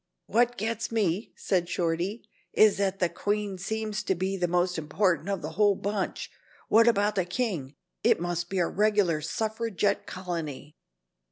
"What gets me," said Shorty, "is that the queen seems to be the most important of the whole bunch. What about the king? It must be a regular suffragette colony."